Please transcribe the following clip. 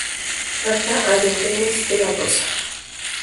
Carta a Diógenes de la Rosa.